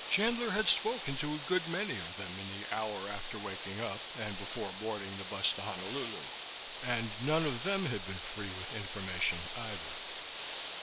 Chandler had spoken to a good many of them in the hour after waking up and before boarding the bus to Honolulu, and none of them had been free with information either.